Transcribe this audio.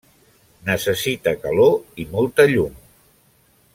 Necessita calor i molta llum.